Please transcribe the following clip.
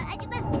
satu dua tiga